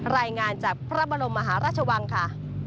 รายงานจากพระบรมมหาราชวังค่ะ